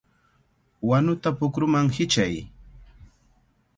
¡Wanuta pukruman hichay!